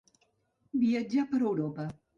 Viatjà per Europa.